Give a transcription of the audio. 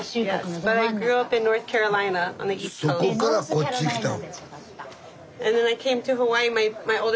そこからこっち来たの。